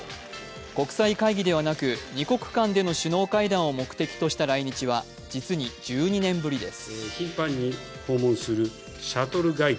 国際会議ではなく二国間での首脳会談を目的とした来日は実に１２年ぶりです。